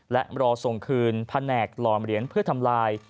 และรอส่งคืนแผนกหล่อมเหรียญเพื่อทำลาย